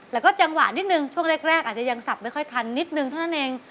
แล้วก็จังหวะนิดนึงช่วงแรกอาจจะยังสับไม่ค่อยทันนิดนึงเท่านั้นเอง